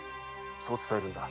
そう伝えるのだ。